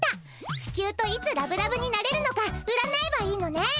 地球といつラブラブになれるのか占えばいいのね？